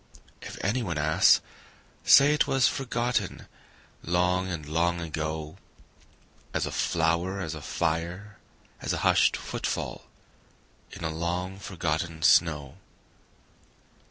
If anyone asks, say it was forgotten Long and long ago, As a flower, as a fire, as a hushed footfall In a long forgotten snow.